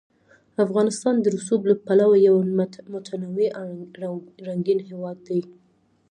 افغانستان د رسوب له پلوه یو متنوع او رنګین هېواد دی.